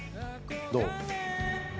どう？